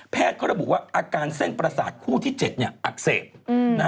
แพทย์เขาระบุว่าอาการเส้นประสาทคู่ที่๗เนี่ยอากเสบ